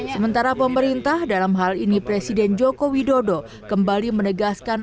sementara pemerintah dalam hal ini presiden joko widodo kembali menegaskan